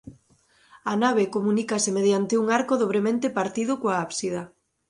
A nave comunícase mediante un arco dobremente partido coa ábsida.